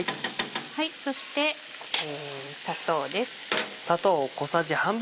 そして砂糖です。